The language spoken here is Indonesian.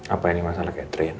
apa ini masalah catherine